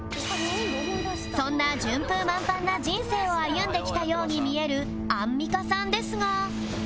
そんな順風満帆な人生を歩んできたように見えるアンミカさんですが